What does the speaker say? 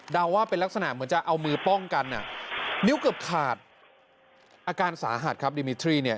ว่าเป็นลักษณะเหมือนจะเอามือป้องกันอ่ะนิ้วเกือบขาดอาการสาหัสครับดิมิทรี่เนี่ย